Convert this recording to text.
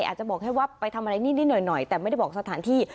อาจจะบอกแค่ว่าไปทำอะไรนิดหน่อยแต่ไม่ได้บอกสถานที่